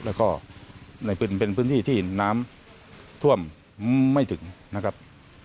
แล้วก็เป็นพื้นที่ที่น้ำท่วมไม่ถึงนะครับ